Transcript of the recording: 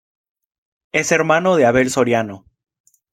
Es hermano de Abel Soriano.